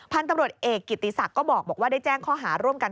พันธุ์ตำรวจเอกกิติศักดิ์ก็บอกว่าได้แจ้งข้อหาร่วมกัน